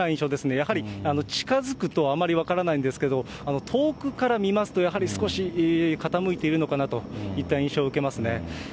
やはり近づくと、あまり分からないんですけど、遠くから見ますと、やはり少し傾いているのかなといった印象を受けますね。